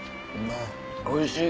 おいしい。